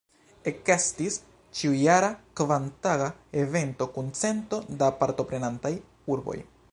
Ekestis ĉiujara, kvartaga evento kun cento da partoprenantaj urboj.